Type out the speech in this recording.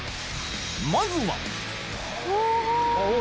まずはお！